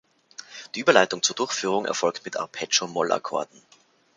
Die Überleitung zur Durchführung erfolgt mit Arpeggio-Mollakkorden.